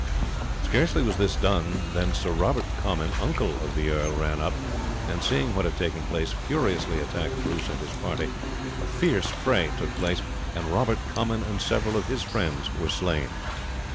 Scarcely was this done than Sir Robert Comyn, uncle of the earl, ran up, and seeing what had taken place, furiously attacked Bruce and his party. A fierce fray took place, and Robert Comyn and several of his friends were slain.